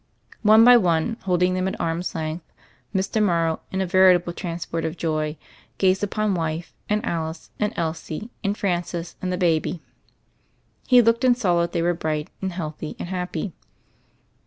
One by one, holding them at arms' length, Mr. Morrow in a veritable transport of joy fazed upon wife and Alice and Elsie and rancis and the baby. He looked and saw that they were bright and healthy and happy.